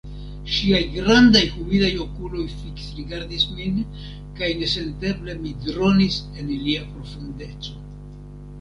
Ŝiaj grandaj humidaj okuloj fiksrigardis min kaj nesenteble mi dronis en ilia profundeco.